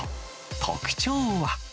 特徴は。